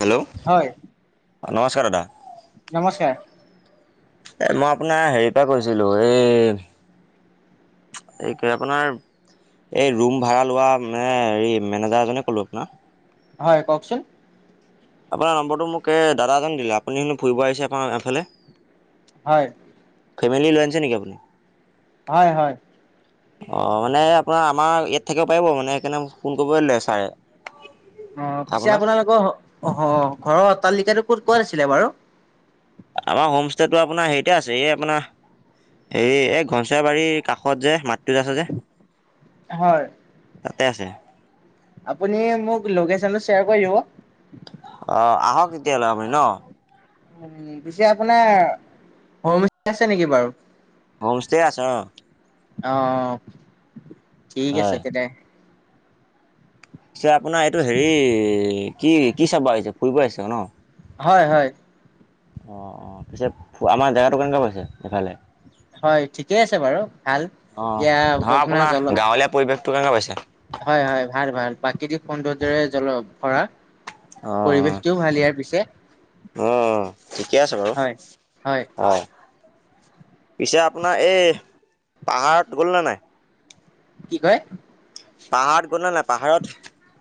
Hello হয় নমস্কাৰ দাদা। নমস্কাৰ। এ মই আপোনাৰ হেৰি পৰা কৈছিলো এই এই কে আপোনাৰ এই ৰুম ভাড়া লোৱা মানে হেৰি মেনেজাৰ এজনে ক'লো আপোনাৰ হয় কওকচোন। আপোনাৰ নম্বৰটো মোক এ দাদা এজনে দিলে, আপুনি ফুৰিব আহিছে আপোনাৰ এফালে। হয়। ফেমিলি লৈ আনিছে নেকি আপুনি? হয় হয়। অ মানে আপোনাৰ আমাৰ ইয়াত থাকিব পাৰিব মানে সেইকাৰণে ফোন কৰিব দিলে ছাৰে। [unintelligible] অ পিছে আপোনাক আপোনালোকৰ আহ ঘৰৰ অত্তালিকাটো ক'ত কোৱা আাছিলে বাৰু? আমাৰ হোমষ্টেটো আপোনাৰ হেৰিতে আছে, এই আপোনাৰ হেৰি এই ঘনচৰা বাৰীৰ কাষত যে মাতটোত আছে যে, হয়। তাতে আছে। আপুনি মোক লোকেশচনটো শ্বেয়াৰ কৰিব দিব। [unintelligible] অহ আহক এতিয়া হলে আপুনি ন। পিছে আপোনাৰ হ আছে নেকি বাৰু? [unintelligible] হোমষ্টে আছে অ। অ ঠিক আছে হয় তেনে। পিছে আপোনাৰ এইটো হেৰি কি কি চাব আহিছে ফুৰিব আহিছে ন? [unintelligible] হয় হয়। অ অ। পিছে আমাৰ জেগাটো কেনেকা পাইছে এইফালে? হয় ঠিকেই আছে বাৰু ভাল অ এয়া ধৰা আপোনাৰ জল গাঁৱলীয়া পৰিৱেশটো কেনেকে পাইছে? হয় হয় ভাল ভাল প্ৰাকৃতিক সৌন্দৰ্যৰে জল ভৰা। পৰিৱেশটোও ভাল ইয়াৰ পিছে। অঁ ঠিকে আছে বাৰু হয় হয় অঁ। পিছে আপোনাৰ এই পাহাৰত গ'লনে নাই? কি কয়? পাহাৰত গলা নাই পাহাৰত? [unintelligible]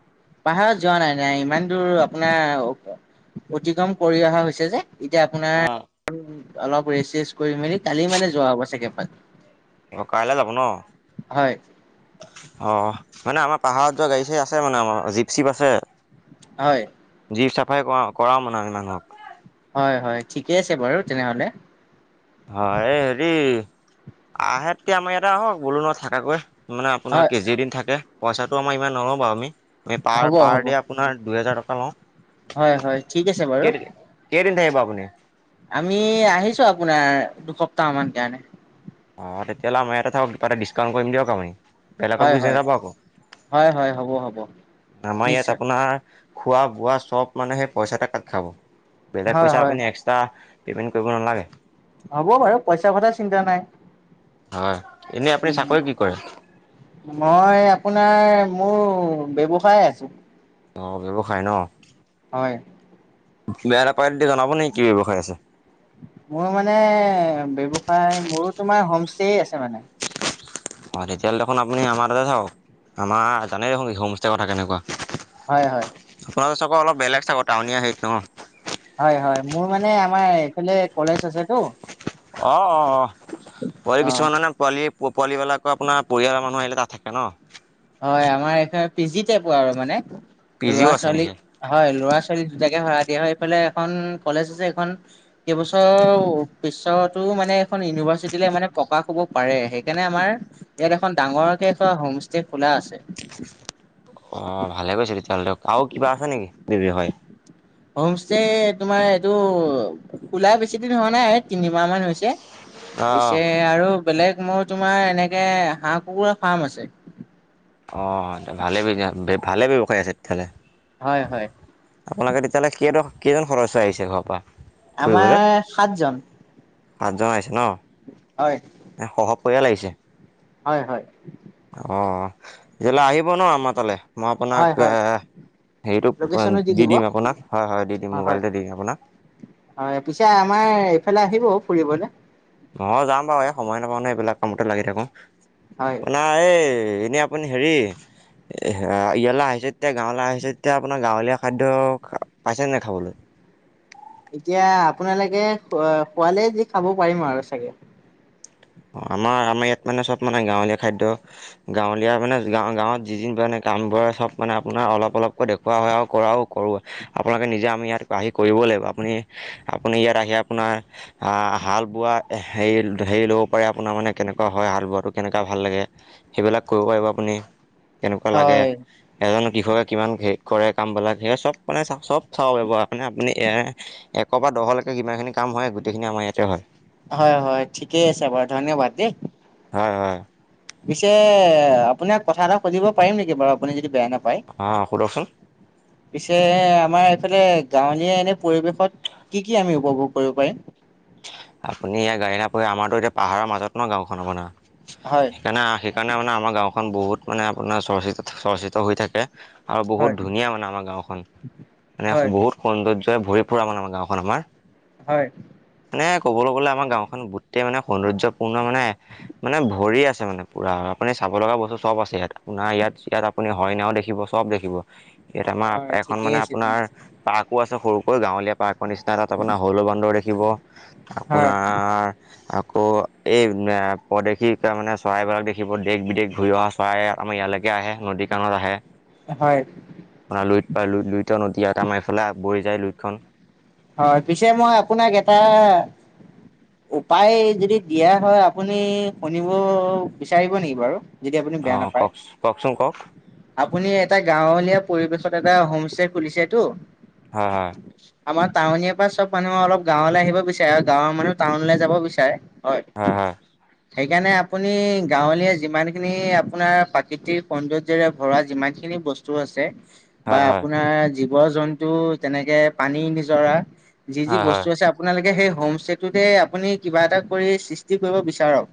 পাহাৰত যোৱা নাই নাই। ইমান দূৰ আপোনাৰ অতিক্ৰম কৰি অহা হৈছে যে। এতিয়া অ'। আপোনাৰ অলপ ৰেষ্ট চেচ কৰি মেলি কালি মানে যোৱা হ'ব চাগে। অ কাইলে যাব ন? হয় অ মানে আমাৰ পাহাৰত যোৱা গাড়ী চাৰি আছে মানে, আমাৰ জীপ চিপ আছে। হয়। জীপ চাফাৰি কৰা কৰাও মানে আমি মানুহক। হয় হয় ঠিকে আছে বাৰু তেনেহলে। হয় হেৰি আহে তে আমাৰ ইয়াতে আহক বোলো নহ থাকাকৈ। [unintelligible] মানে আপোনাৰ হয় কেজি দিন থাকে পইচাটো আমাৰ ইমান নলওঁ বাৰু আমি। প হ'ব হ'ব পাৰ আপোনাৰ দুহেজাৰ টকা লওঁ। [unintelligible] হয় হয় ঠিক আছে বাৰু। কেই [unintelligible] আমি আহিছো আপোনাৰ, দুসপ্তাহ মান কাৰণে। অ', তেতিয়াহলে আমাৰ ইয়াতে থাকক কিবা এটা ডিছকাউণ্ট কৰিম দিয়ক আমি। বেলেগত হয় গুচি হয় নাযাব আকৌ, হয় হয় হ'ব হ'ব আমাৰ নিশ্চয় ইয়াত আপোনাৰ খোৱা বোৱা চব মানে সেই পইচাতে কাট খাব, বেলেগ হয় পইচা হয় আপুনি এক্সট্ৰা পেমেণ্ট কৰিব নালাগে। হ'ব বাৰু পইচাৰ কথা চিন্তা নাই। হয়। এনেই আপুনি উম, চাকৰি কি কৰে মই আপোনাৰ, মোৰ ব্যৱসায় আছে। অ', ব্যৱসায় ন? হয়। বেয়া নাপায় যদি তজনাব নেকি কি ব্যৱসায় আছে? মোৰ মানে ব্যৱসায় মোৰো তোমাৰ হোম ষ্টেই আছে মানে। অ' তেতিয়াহ'লে দেখোন আপুনি আমাৰ তাতে থাকক। আমাৰ জানেই দেখোন হোম ইষ্টেৰ কথা কেনেকুৱা হয় হয়। তোমাৰ চক অলপ বেলেগ চাব টাউনীয়া হেৰিটো ন। হয় হয় মোৰ মানে আমাৰ এইফালে কলেজ আছেতো। অ' অ' অ' পোৱালি অ কিছুমান মানে পোৱালি পোৱালিবিলাকৰ আপোনাৰ পৰিয়ালৰ মানুহ আহিলে তাত থাকে ন। হয় আমাৰ এখন পি জিতে পোৱা আৰু মানে। পি জিও আছে ল'ৰা-ছোৱালী নেকি? হয় ল'ৰা-ছোৱালী দুটাকে সৰাই দিয়া হয় ইফালে এখন কলেজ আছে। এখন কেইবছৰ পিছতো মানে এখন ইউনিভাৰ্চিটিলে মানে প্ৰকাশ হ'ব পাৰে। সেইকাৰণে আমাৰ ইয়াত এখন ডাঙৰকে এ হোম অ ভালে কৈছে তেতিয়াহলে আৰু কিবা আছে নেকি বিষয় হোমষ্টে তোমাৰ এইটো খোলা বেছি দিন হোৱা নাই তিনিমাহ মান হৈছে। অ', পিছে আৰু বেলেগ মোৰ তোমাৰ এনেকে হাঁহ কুকুাৰ ফাৰ্ম আছে। অ ভালে ভালে ব্যৱসায় আছে তেতিয়া হ'লে। হয় হয় আপোনালোকে তেতিয়াহ'লে কেইজন কেইজন সদস্য আহিছে ঘৰৰ পৰা। আমাৰ ফুৰিবলৈ? সাতজন। সাতজন আহিছে ন। হয় এ সহ পৰিয়াল আহিছে। হয় হয়। তেতিয়াললে আহিব ন আমাৰ তালৈ মই হয় আপোনাক। হয় হেৰিটো লোকেশ্যনো দি দিব দিম আপোনাক হয় হয় দি দিম অ হয় মোবাইলতে দিম আপোনাক। হয় পিছে আমাৰ এইফালে আহিব ফুৰিবলে। অ' যাম বাৰু এই সময় নাপাওঁ ন। এইবিলাক কামতো লাগি থাকো হয় আপোনাৰ এই। এনেই আপুনি হেৰি ইয়ালৈ আহিছে যেতিয়া গাঁৱলৈ আহিছে যেতিয়া আপোনাৰ গাঁৱলীয়া খাদ্য পাইছেনে নাই খাবলৈ। এতিয়া আপোনালোকে খোৱালে যি খাব পাৰিম আৰু চাগে। আমাৰ আমাৰ ইয়াত মানে চব মানে গাঁৱলীয়া খাদ্য গাঁৱলীয়া মানে গা গাঁৱত যি যি কৰে- ামবোৰে চব মানে আপোনাৰ অলপ টাউনবোৰে চব মানে আপোনাৰ অলপ অলপকৈ দেখোৱাও আৰু কৰাও কৰোঁ। আপোনালোকে নিজে আমি ইয়াত আহি কৰিব। চব কৰিব লাগিব আপুনি আপুনি ইয়াত আহি আপোনাৰ আ হাল বোৱা সেই সেই লব প আপোনাৰ মানে কেনেকুৱা হয়। হাল বোৱাটো কেনেকুৱা ভাল লাগে? সেইবিলাক কৰিব পাৰিব আপুনি। কেনেকুৱা লাগে হয় এজন। কৃষকে কিমান হে কৰে কামবিলাক সেয়া চব মানে চা চব চাব পাৰিব মানে আপুনি এক'বাত দহৰলৈকে কিমান খিনি কাম হয় গোটেইখিনি আমাৰ ইয়াতে হয়। হয় হয় ঠিকেই আছে বাৰু ধন্যবাদ দেই। হয় হয় পিছে আপোনাক কথা এটা সুধিব পাৰিম নেকি বাৰু আপুনি যদি বেয়া নাপায় অ সুধকচোন। পিছে আমাৰ এইফালে গাঁৱলীয়া এনে পৰিৱেশত কি কি আমি উপভোগ কৰিব পাৰিম। আপুনি ইয়াত গাড়ী নাপাৰে আমাৰতো এতিয়া পাহাৰৰ মাজত নহ গাঁওখন মানে হয় সেইকাৰণে সেইকাৰণে মানে আমাৰ গাঁওখন বহুত মানে আপোনাৰ চৰ্চিত চৰ্চিত হৈ থাকে। আৰু হয় বহুত ধুনীয়া মানে আমাৰ গাঁওখন মানে হয় বহুত সৌন্দৰ্য্য ত ভৰিপৰা আমাৰ আমাৰ গাঁওখন আমাৰ। হয়। মানে ক'বলৈ গ'লে আমাৰ গাঁওখন গোটেই মানে সৌন্দৰ্য্যপূৰ্ণ মানে মানে ভৰি আছে মানে। আপুনি চাব লগা বস্তু চব আছে ইয়াত আপোনাৰ ইয়াত ইয়াত আপুনি হৰিনাও দেখিব চব দেখিব। ইয়াত আমাৰ হয় এখন ঠিকেই মানে আছে আপোনাৰ তেনে পাৰ্কো আছে সৰুকৈ গাঁৱলীয়া পাৰ্ক। মোৰ নিচিনা তাত আপোনাৰ হলৌ বান্দৰ দেখিব হয় আপোনাৰ আকৌ এই পদেশী মানে চৰাইবিলাক দেখিব দেশ বিদেশ ঘূৰি অহা চৰাই। আমাৰ ইয়ালৈকে আহে নদী কাণত আহে। হয় আপোনাৰ লুইত পায় লুই লুইত নদী এটা মাৰিফালে বই যায় লুইতখন। হয় পিছে মই আপোনাক এটা উপায় যদি দিয়া হয় আপুনি শুনিব বিচাৰিব নেকি বাৰু। যদি আপুনি অ বেয়া নাপায় কওক কওকচোন কওক আপুনি এটা গাঁৱলীয়া পৰিবেশ। তত এটা হোম ষ্টে খুলিছে তটো। হয় হয়। আমাৰ টাউনিয়া পৰা চব মানুহে অলপ গাঁৱলৈ আহিব বিচাৰে আৰু গাঁৱৰ মানুহ টাউনলৈ যাব বিচাৰে। হয়। সেইকাৰণে আপুনি গাঁৱলীয়া যিমানখিনি আপোনাৰ প্ৰাকৃতিক সৌন্দ্যৰে ভৰা যিমানখি বস্তু আছে। বা হয় হয় আপোনাৰ জীৱ জন্তু তেনেকে পানী নিজৰা। যি যি হয় হয় বস্তু আছে আপোনালোকে সেই হোম ষ্টেটোতে আপুনি কিবা এটা কৰি সৃষ্টি কৰিব বিচাৰক।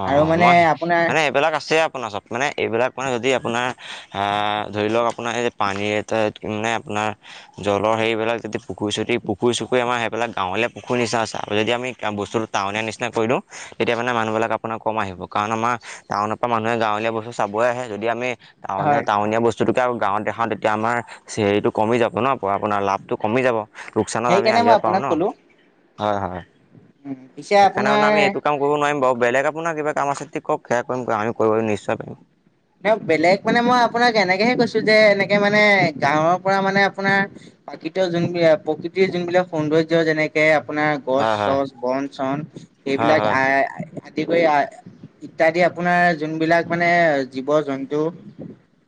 অ আৰু মানে মই আপোনাৰ মানে এইবিলাক আছে আপোনাৰ চব মানে এইবিলাক মানে যদি আপোনাৰ আহ। ধৰি লওক আপোনাৰ এই পানীৰ এটা মানে আপোনাৰ জলৰ হেৰিবিলাক যদি পুখুৰী- চুতি পুখুৰী- চুখুৰী আমাৰেই সেই গাঁৱলে পুখুৰ নিচ আছে যদি আমি বস্তটো টাউনিয়া নিচিনা কৰি দিওঁ তেতিয়া মানে মানুহবিলাক। আপোনাৰ কম আহিব কাৰণ আমাৰ টাউনৰ পৰা মানুহে গাঁৱলীয়া বস্তু চাবই আহে যদি আমি টাউন হয় টাউনীয়া বস্তু। যটুকে আৰু গাঁৱত দেখা তেতিয়া আমাৰ চেৰিটো কমি যাব ন আপোনাৰ লাভটো কমি যাব। লোকচানত আমি সেইকাৰণে আহিয়ে মই পাৰোঁ আপোনাক ন কলো হয় হয়। উম পিছে আপোনাৰ সেইকাৰণে আমি এইটো কাম কৰিব নোৱাৰিম বাৰু। বেলেগ আপোনাৰ কিবা কাম আছে ঠিক কওক, সেয়া কৰিম আমি কৰিব নিশ্চয় পাৰিম। ন বেলেগ মানে মই আপোনাক এনেকেহে কৈছো যে এনেকে মানে গাঁৱৰ পৰা মানে আপোনাৰ। প্ৰাকৃত যোনবাক প্ৰকৃতিৰ যোনবিলাক সৌন্দৰ্য যেনেকে। আপোনাৰ গছ হয় হয় -চছ, বন- চন এইবিলাক হয় আই আদি কৰি আহ ইত্যাদি আপোনাৰ যোনবিলাক মানে জীৱ জন্তু।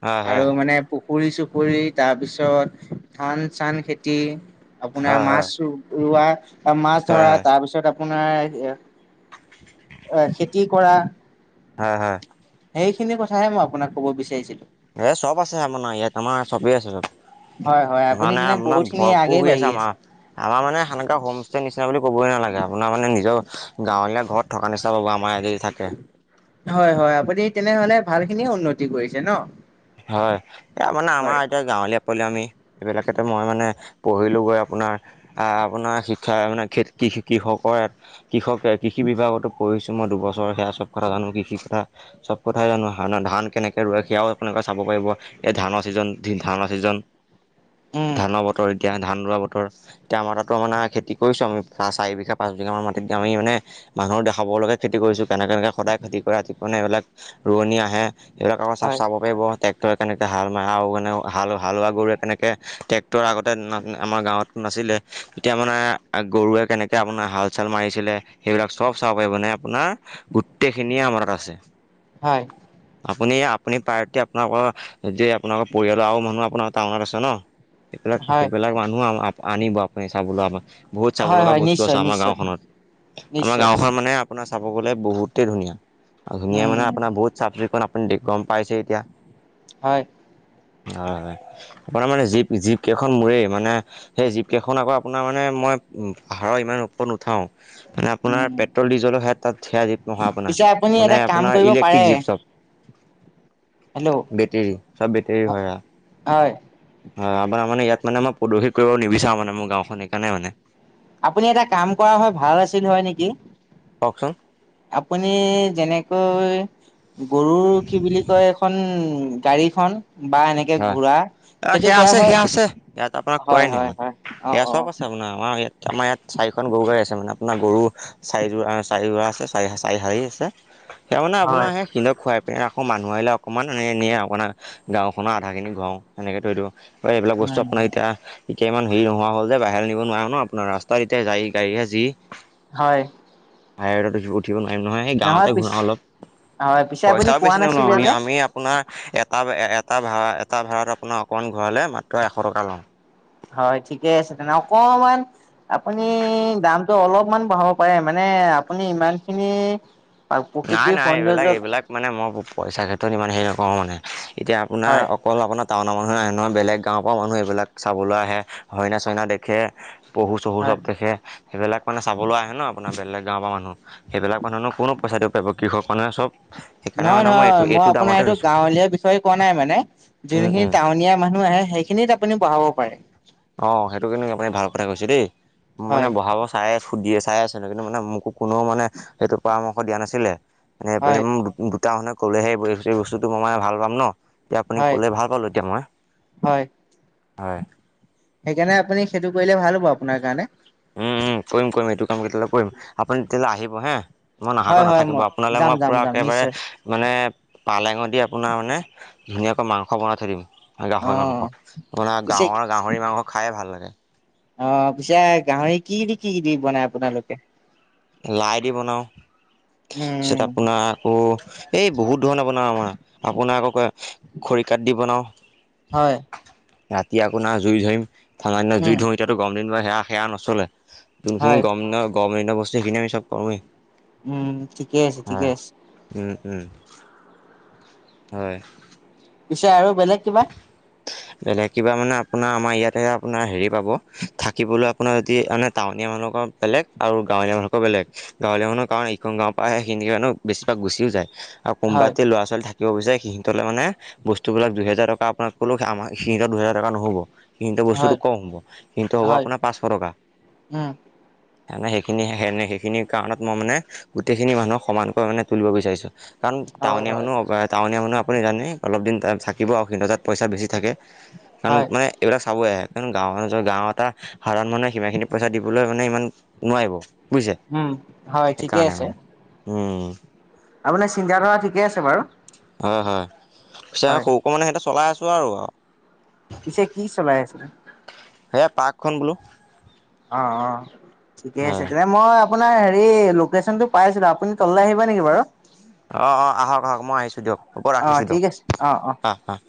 হয় আৰু হয় মানে পুখুৰী চো কৰি তাৰপিছত ধান -চান খেতি, আপোনাৰ হয় হয় মাছ ৰো -ৰোৱা মাছ হয় হয় ধৰা, হয় তাৰপিছত আপোনাৰ এ এ খেতি কৰা হয় হয়। সেইখিনি কথাহে মই আপোনাক ক'ব বিচাৰিছিলো। এ চব আছে আমানাৰ ইয়াত আমাৰ চবেই আছে চব। হয় হয় আপুনি মানে যেনে আপোনাৰ বহুতখিনি ভৰপূৰ আগে হৈ বাঢ়ি আমাৰ আছে। আমাৰ মানে সেকা হোম ষ্টে নিচনা বুলি ক'বই নালাগে আপোনাৰ মানে নিজৰ। গাঁৱলীয়া ঘৰত থকা নিচিনা পাব আমাৰ আজ থাকে। হয় হয় আপুনি তেনেহলে ভালখিনি উন্নতি কৰিছে ন? হয় এ মানে আমাৰ হয়। এতিয়া গাঁৱলীয়া। পলিমি এইবিলাক এতে মই মানে পঢ়িলোঁ গৈ আপোনাৰ আপোনাৰ শিক্ষা মানে কি। কৃষকৰ কৃষকে কৃষি বিভাগতো পঢ়িছো মই দুবছৰ সেয়া চব কথা জানো কৃষিৰ কথা। চব কথাই জানো ধান কেনেকে ৰোৱে সেয়াও। এনেকে চাব পাৰিব এই ধানৰ চিজন ধানৰ চিজন উম ধানৰ বতৰ। এতিয়া ধান লোৱা বতৰ, এতিয়া আমাৰ তাতো মানে খেতি কৰিছো আমি চাৰি বিঘা পাঁচ বিঘা মান মাটিত দ আমি মানে মানুহৰ দেখাব লগে খেতি কৰিছো। কেনেক কেনেকে সদায় খেতি কৰে ৰাতিপে এইবিলাক ৰোৱনী আহে সেইবিলাক আকৌ চফ হয় চাব। পাৰিব, টেক্টৰে কেনেকে হাল মাৰা আৰু নে হাল হালোৱা গৰুৱে কেনেকে ট্ৰেকটৰ আগতে না আমাৰ গাঁৱত নাছিলে তেতিয়া মানে গৰুৱে কেনেকে আপোনাৰ হাল চাল মাৰিছিলে সেইবিলাক চব চাব। মানে আপোনাৰ গোটেই খিনিয়ে আমাৰ তাত আছে। হয়। আপুনি আপুনি পাৰে আপোনালোকৰ যে আপোনালোকৰ পৰিয়ালৰ আৰু মানুহ আপোনাৰ টাউনত আছে ন? হয় সেইবিলাক-সেইবিলাক মানুহ আনিব আপুনি চাবলৈ আমাক। বহুত চাব হয় লগা হয় বস্তু আছে নিশ্চয় আমাৰ নিশ্চয় গাওঁখনত, আমাৰ নিশ্চয় গাঁওখন মানে আপোনাৰ চাব গ'লে বহুতেই ধুনীয়া, আৰু ধুনীয়া উম মানে আপোনাৰ বহুত চাফ চিকুণ আপুনি দেখুৱাম গ'ম পাইছে এতিয়া। হয়। হয়, হয় আপোনাৰ মানে জীপ-জীপ কেইখন মোৰেই মানে, সেই জীপ কেইখন আকৌ আপোনাৰ মানে মই পাহাৰৰ ইমান ওপৰত নুঠাওঁ। মানে উম আপোনাৰ পেট্ৰল ডিজেলো সেইয়া [unintelligible] নহয় আপোনাৰ। পিছে আপুনি এটা মানে কাম আপোনাৰ কৰিব পাৰে ইলেক্ট্ৰিক জীপ চব। হেল্ল' বেটেৰী, চব বেটেৰীৰ হয় আউ। হয় হয় আমাৰ মানে ইয়াত মানে মই প্ৰদূষিত কৰিব নিবিচাৰো মানে মোৰ গাঁওখন সেইকাৰণে মানে। আপুনি এটা কাম কৰা হয় ভাল আছিল হয় নেকি? কওকচোন। আপুনি যেনেকৈ, গৰুৰ কি বুলি কয় এখন গাড়ীখন বা এনেকে হয় ঘোঁৰা, সেইটো সেয়া কৰা আছে হয়, সেয়া আছে ইয়াত হয়, মই হয়, হয়, অ', সেয়া অ', চব আছে অ', গৰু নাই, আমাৰ ইয়াত আম ইয়াত চাৰিখন গৰু গাড়ী আছে। মানে আপোনাৰ গৰু চাৰিযোৰা-চাৰিজোৰা আছে চাৰি-চাৰি হাৰি আছে। সেই মানে আপোনাৰ হয়। সেই শিলক খুৱাই পিনে আকৌ মানুহ আহিলে অকনমান এনে আপোনাৰ গাওঁ [unintelligible] খিনি ঘওওঁ সেনেকে থৈ দিওঁ এইবিলাক বস্তু উম আপোনাক এতিয়া এতিয়া ইমান হেৰি নোহোৱা হল যে বাহিৰৰ নিব নোৱাৰে ন আপোনাৰ ৰাস্তাত এতিয়া যায় গাড়ীহে যি হয়। [unintelligible] দিব নোৱাৰিম নহয় সেই গাঁৱতে ঘূৰাও অলপ, হয় পিছে আপুনি পইচাও কোৱা বেছি নলওঁ নাছিলে যে আমি-আমি আপোনাৰ এটা ভ এটা ভাড়া এটা ভাড়াত আপোনাৰ অকমান ঘূৰালে মাত্ৰ এশ টকা লওঁ। হয় ঠিকে আছে তেনে অকমান, আপুনি দামটো অলপমান বঢ়াব পাৰে মানে এ আপুনি ইমান খিনি নাই প্ৰকৃতিৰ নাই সৌন্দৰ্য এইবিলাক-এইবিলাক মানে মই পইচা ক্ষেত্ৰত ইমান হেৰি নকৰো মানে, এতিয়া আপোনাৰ হয় অকল আপোনাৰ টাউনৰ মানুহে ন বেলেগ গাঁৱৰ পৰা মানুহ এইবিলাক চাবলৈ আহে, হৰিনা চৰিণা দেখে পহু চহু হয় চব দেখে, সেইবিলাক মানে চাবলৈ আহে ন আপোনাৰ বেলেগ গাঁওৰ পৰা মানুহ, সেইবিলাক মানুহনো কোনো পইচাটো পাব কৃষক মানুহে চব সেইকাৰণে নহয় মানে এইটো নহয় মই আপোনাৰ দামতে এইটো লৈছোঁ গাঁৱলীয়া বিষয়ে কোৱা নাই মানে, উম উম। যোনখিনি টাউনীয়া মানুহ সেইখিনিত আপুনি বহাব পাৰে। অ', সেইটো কিন্তু আপুনি ভাল কথা কৈছে দে, মানে হয় বহাব চাই সুধি আছে চাই আছে [unintelligible] মোকো কোনেও মানে সেইটো পৰামৰ্শ দিয়া নাছিলে হয় [unintelligible] তেও মানে ক'লে সেই [unintelligible] বস্তুটো মই মানে ভাল পাম ন। এতিয়া আপুনি হয় ক'লে ভাল পালোঁ এতিয়া মই হয় হয় [unintelligible] সেইকাৰণে আপুনি সেইটো কৰিলে ভাল হ'ব আপোনাৰ কাৰণে উম উম কৰিম কৰিম এইটো কাম কেতিয়াহলে কৰিম আপুনি তেতিয়াহলে আহিব হা [unintelligible] মই নাহাকৈ হয় হয় নাথাকিব মই আপোনালৈ যাম মই যাম পোৰা যাম একেবাৰে নিশ্চয় মানে পালেঙ দি আপোনাৰ মানে [unintelligible] ধুনীয়াকৈ মাংস বনাই থৈ দিম অ গাহৰি অ মাংস আপোনাৰ পিছে গাঁৱৰ গাহৰি মাংস খায়ে ভাল লাগে [inaudible] অ পিছে গাহৰি কি দি কি কি দি বনাই আপোনালোকে লাই দি বনাও পিছত উম আপোনাৰ আকৌ এই বহুত ধৰনে আমাৰ আপোনাক আকৌ খৰিকাত দি বনাওঁ হয় ৰাতি আপোনাৰ জুই ধৰিম ঠাণ্ডাৰ দিনত জুই উম ধোওঁ এতিয়ো গম দিন ব সেয়া সেয়া নচলে যোনখিনি হয় গৰম গৰম বস্তু সেইখিনি চব কৰোয়ে উম ঠিকেই আছে ঠিকে আছে উম [inaudible] হয় পিছে আৰু বেলেগ কিবা বেলেগ কিবা মানে আপোনাৰ আমাৰ ইয়াতে আপোনাৰ হেৰি পাব থাকিবলৈ আপোনাৰ যদি মানে টাউনীয়া মানুহৰ বেলেগ আৰু গাঁৱলীয়া মানুহ [unintelligible] ভালকৈ বেলেগ গাঁলীয়া মানুহ কাৰণ ইখন গাঁৱৰ পৰা আহে সেইখিনে ন বেছিভাগ গুচিও যায় আৰু কোনোবা হয় এটি ল'ৰা ছোৱালী থাকিব বিচাৰে সিহতলে মানে বস্তুবিলাক যোনে দুহেজাৰ টকা আপোনাক ক আমাৰ সিহঁতক দুহেজাৰ টকা নহ'ব কিন্তু বস্তুটো হয় কম হ'ব কিন্তু হ'ব হয় আপোনাৰ পাঁচশ টকা উম সে সেইখিনি সেইখিনি কাৰণত মই মানে গোটেইখিনি মানুহ সমানকৈ মানে তুলিব বিচাৰিছো কাৰণ হয় টাউনীয়া হয় মানুহ টাউনীয়া মানুহ আপুনি জানে অলপ দিন থাকে সিবোৰ অসীণতাত পইচা বেছি থাকে কাৰণ হয় মানে এইবিলাক [unintelligible] চাব আহে কাৰ গাঁৱৰ গাও এটা সাধাৰণ মানুহে সিমানখিনি পইচা দিবলৈ মানে ইমান নোৱাৰিব [unintelligible] বুইজে উম হয় ঠিকে সেইকাৰণে আছে উম আপোনাৰ চিন্তা ধাৰা ঠিকে আছে বাৰু হয় হয় পিছে হয় সৰুকো মানে সিহঁতে চলাই আছোঁ আৰু পিছে কি চলাই আছিলে হে পাৰ্কখন বোলো অ অ ঠিকে আছে হয় তেনে মই আপোনাৰ হেৰি লোকেশ্যন টো পাইছিলো আপুনি তললৈ আহিব নেকি বাৰু অ অ আহক আহক মই আহিছোঁ দিয়ক হ'ব অ ৰাখিছোঁ দিয়ক ঠিক আছে অ অ [inaudible]